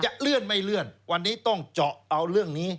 เลื่อนไม่เลื่อนวันนี้ต้องเจาะเอาเรื่องนี้